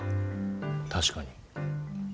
確かに。